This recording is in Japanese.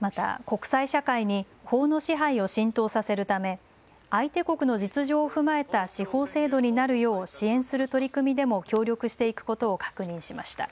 また国際社会に法の支配を浸透させるため相手国の実情を踏まえた司法制度になるよう支援する取り組みでも協力していくことを確認しました。